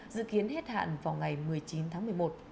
dự kiến hết hạn vào ngày một mươi chín tháng một mươi một